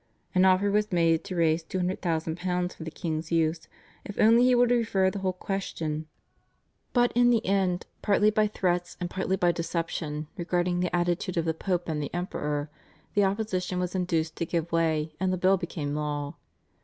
An offer was made to raise £200,000 for the king's use if only he would refer the whole question to a General Council, but in the end, partly by threats and partly by deception regarding the attitude of the Pope and the Emperor, the opposition was induced to give way and the bill became law.